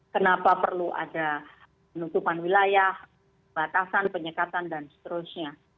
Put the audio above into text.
kenapa perlu ada penutupan wilayah batasan penyekatan dan seterusnya